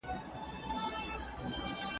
څېړونکی هره مسئله په علمي توګه ارزوي.